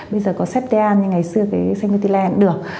bây giờ có xếp đe an như ngày xưa với xanh mê tí len cũng được